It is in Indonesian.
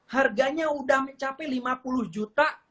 harganya sudah mencapai lima puluh juta